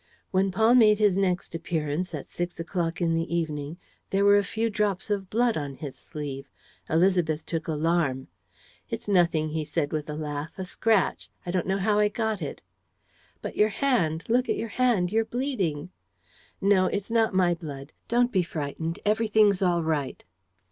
When Paul made his next appearance, at six o'clock in the evening, there were a few drops of blood on his sleeve. Élisabeth took alarm. "It's nothing," he said, with a laugh. "A scratch; I don't know how I got it." "But your hand; look at your hand. You're bleeding!" "No, it's not my blood. Don't be frightened. Everything's all right."